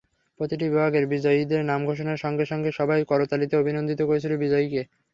প্রতিটি বিভাগের বিজয়ীদের নাম ঘোষণার সঙ্গে সঙ্গে সবাই করতালিতে অভিনন্দিত করছিল বিজয়ীকে।